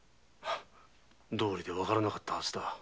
道理でわからなかったはずだ。